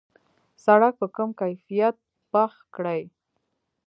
سړک په کم کیفیت پخ کړي.